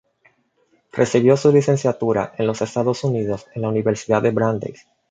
Recibió su licenciatura en los Estados Unidos en la Universidad de Brandeis.